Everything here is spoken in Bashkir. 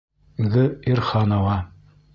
Г. ИРХАНОВА.